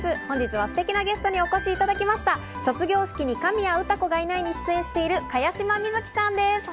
本日はステキなゲストにお越しいただきました『卒業式に、神谷詩子がいない』に出演している茅島みずきさんです。